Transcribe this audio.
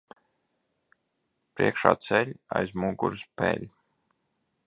Priekšā ceļ, aiz muguras peļ.